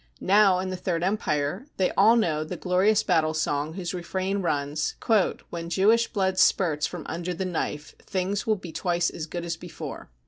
Now, in the Third Empire, they all know the glorious battle song whose refrain runs :" When Jewish blood spurts from under the knife, things will be ^wice as good as before."